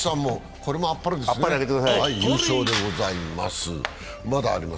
これもあっぱれだ！